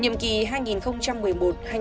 nhiệm kỳ hai nghìn một mươi một hai nghìn một mươi sáu